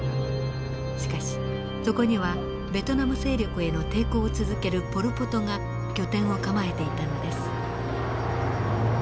しかしそこにはベトナム勢力への抵抗を続けるポル・ポトが拠点を構えていたのです。